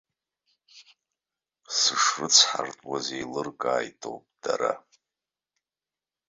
Сышрыцҳартәуаз еилыркааитоуп дара.